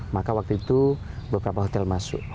maka waktu itu beberapa hotel masuk